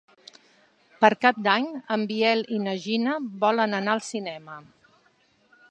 Per Cap d'Any en Biel i na Gina volen anar al cinema.